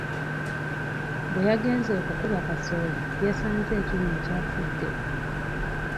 Bwe yagenze okukuba kasooli yasanze ekyuma kyafuddde.